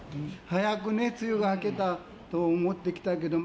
早く梅雨が明けたと思っていたけど。